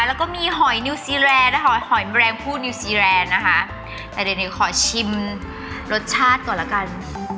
แล้วก็มีหอยนิวซีแลนด์นะคะหอยแมลงผู้นิวซีแรนด์นะคะแต่เดี๋ยวขอชิมรสชาติก่อนละกัน